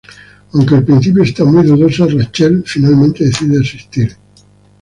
Aunque al principio está muy dudosa, Rachel finalmente decide asistir.